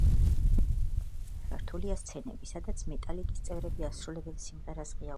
ვიდეოში შიგადაშიგ ჩართულია სცენები, სადაც მეტალიკის წევრები, ასრულებენ სიმღერას ღია უდაბნოში.